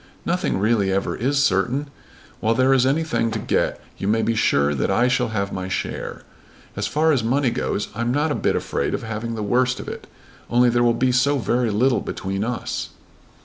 "Nothing really ever is certain. While there is anything to get you may be sure that I shall have my share. As far as money goes I'm not a bit afraid of having the worst of it, only there will be so very little between us."